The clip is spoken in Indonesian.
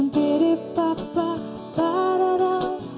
nampiri papa pada dalam